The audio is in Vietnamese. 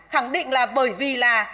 khẳng định là bởi vì là